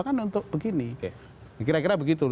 kan untuk begini kira kira begitu